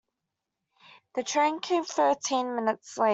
The train came thirteen minutes late.